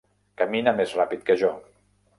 Camina més ràpid que jo.